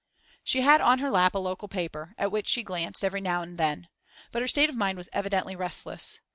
She had on her lap a local paper, at which she glanced every now and then; but her state of mind was evidently restless.